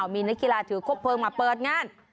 มีนักกีฬาถือคบเพลิงมาเปิดงาน